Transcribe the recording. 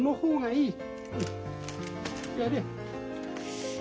やれ。